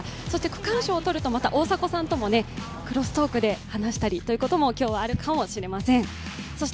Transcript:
そして区間賞を取ると大迫さんともクロストークで話したりとかも今日はあるかもしれません。